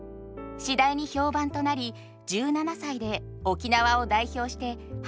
次第に評判となり１７歳で沖縄を代表してハワイ公演に。